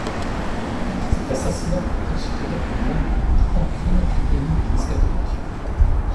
Cet assassinat fut considéré comme l'un des plus grands crimes qu'ait connus l'Église catholique.